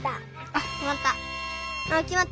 あっきまった！